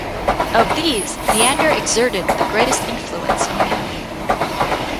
Of these, Neander exerted the greatest influence on him.